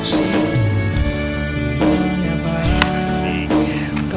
cuma mau siap